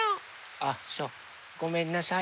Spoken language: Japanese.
あっそうごめんなさい。